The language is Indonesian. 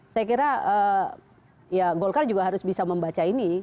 saya kira ya golkar juga harus bisa membaca ini